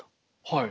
はい。